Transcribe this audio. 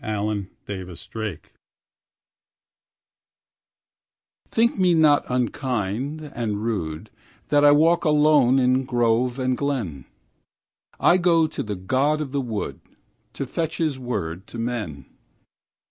The Apology THINK me not unkind and rudeThat I walk alone in grove and glen;I go to the god of the woodTo fetch his word to men.